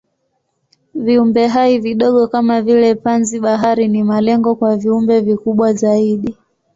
Viumbehai vidogo kama vile panzi-bahari ni malengo kwa viumbe vikubwa zaidi.